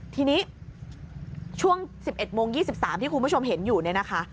ทีนี้ช่วง๑๑โมง๒๓ที่คุณผู้ชมเห็นอยู่เนี่ยนะคะ